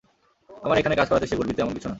আমার এখানে কাজ করাতে সে গর্বিত- এমন কিছু না।